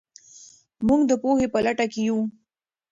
موږ د پوهې په لټه کې یو.